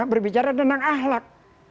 berbicara tentang ahlak